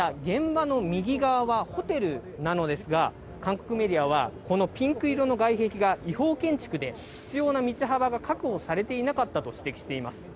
また現場の右側はホテルなのですが、韓国メディアはこのピンク色の外壁が違法建築で必要な道幅が確保されていなかったと指摘しています。